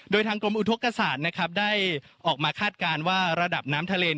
โดยทางกรมอุทธกษานะครับได้ออกมาคาดการณ์ว่าระดับน้ำทะเล